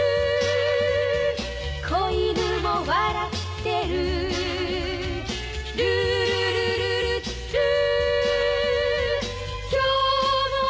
「小犬も笑ってる」「ルールルルルルー」